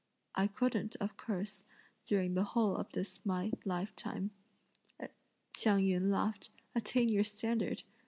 "I couldn't, of course, during the whole of this my lifetime," Hsiang yün laughed, "attain your standard!